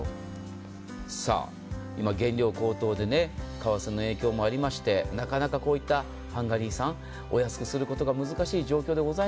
今原料高騰で、為替の影響もありましてなかなかこういったハンガリー産、お安くすることが難しい状況です。